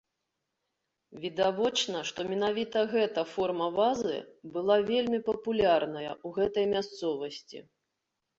Відавочна, што менавіта гэта форма вазы была вельмі папулярная ў гэтай мясцовасці.